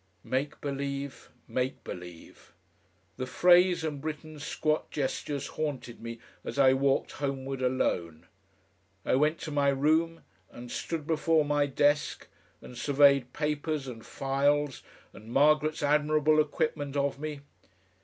"Make believe. Make believe." The phrase and Britten's squat gestures haunted me as I walked homeward alone. I went to my room and stood before my desk and surveyed papers and files and Margaret's admirable equipment of me.